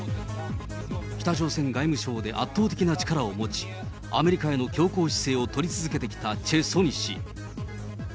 北朝鮮外務省で圧倒的な力を持ち、アメリカへの強硬姿勢を取り続けてきたチェ・ソニ氏。